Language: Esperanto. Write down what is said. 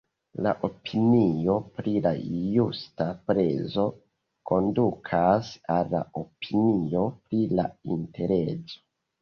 La opinio pri la justa prezo kondukas al la opinio pri la interezo.